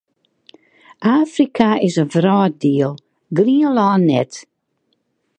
Afrika is in wrâlddiel, Grienlân net.